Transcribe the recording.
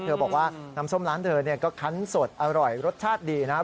บอกว่าน้ำส้มร้านเธอก็คันสดอร่อยรสชาติดีนะครับ